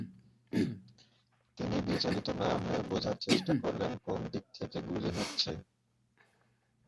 তিনি বিচলিত না হয়ে বোঝার চেষ্টা করলেন, কোন দিক থেকে গুলি হচ্ছে।